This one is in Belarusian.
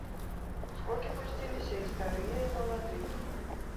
У скокі пусціліся і старыя, і маладыя.